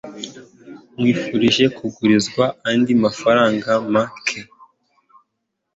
Nkwifurije kunguriza andi mafaranga make.